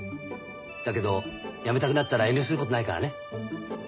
だけど辞めたくなったら遠慮することないからね。